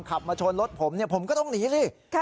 ขับมาชนรถผมผมก็ต้องหนีสิ